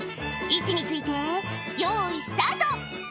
位置について用意スタート！